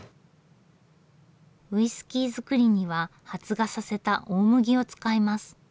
ウイスキー造りには発芽させた大麦を使います。